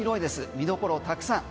見どころたくさん。